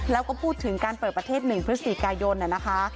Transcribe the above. แล้วก็พูดถึงการเปิดประเทศหนึ่งเพื่อสถิกายนนะคะ